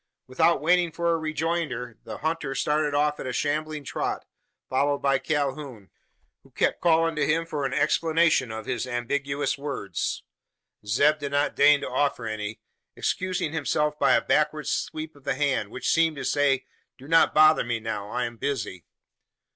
Without waiting for a rejoinder, the hunter started off at a shambling trot, followed by Calhoun, who kept calling to him for an explanation of his ambiguous words. Zeb did not deign to offer any excusing himself by a backward sweep of the hand, which seemed to say, "Do not bother me now: I am busy."